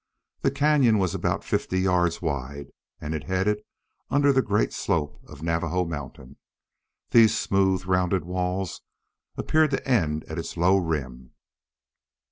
The cañon was about fifty yards wide and it headed under the great slope of Navajo Mountain. These smooth, rounded walls appeared to end at its low rim.